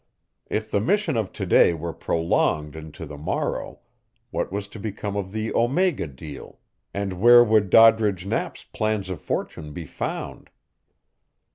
If the mission of to day were prolonged into the morrow, what was to become of the Omega deal, and where would Doddridge Knapp's plans of fortune be found?